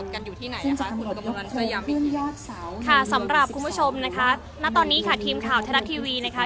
คุณผู้ชมค่ะสำหรับคุณผู้ชมนะคะณตอนนี้ค่ะทีมข่าวเทศทัศน์ทีวีนะคะ